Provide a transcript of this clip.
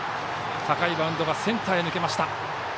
高いバウンドがセンターへ抜けました。